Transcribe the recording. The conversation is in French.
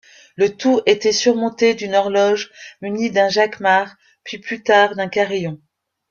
Le tout était surmonté d'une horloge munie d'un jacquemart, puis plus tard d'un carillon.